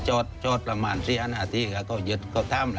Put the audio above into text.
อันดับสุดท้ายอันดับสุดท้าย